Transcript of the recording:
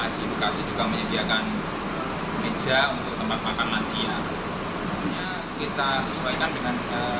haji bekasi juga menyediakan meja untuk tempat makan lansia kita sesuaikan dengan